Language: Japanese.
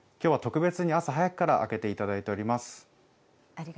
きょうは特別に朝早くから開けていただいております。